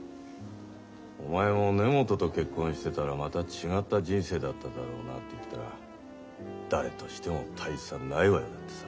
「お前も根本と結婚してたらまた違った人生だっただろうな」って言ったら「誰としても大差ないわよ」だってさ。